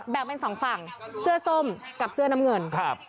เป็นสองฝั่งเสื้อส้มกับเสื้อน้ำเงินครับ